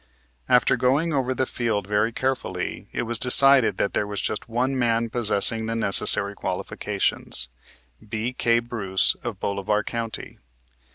After going over the field very carefully it was decided that there was just one man possessing the necessary qualifications, B.K. Bruce, of Bolivar County.